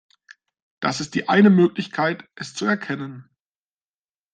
Das ist die eine Möglichkeit, es zu erkennen.